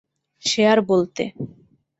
সে আর বলতে।